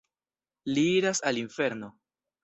Li iras al infero.